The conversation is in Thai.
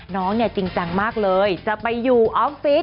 น้องเนี่ยจริงจังมากเลยจะไปอยู่ออฟฟิศ